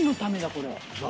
これ。